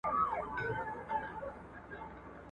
خدای چي په قارسي و یوه قام ته !.